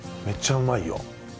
めっちゃうまいよ。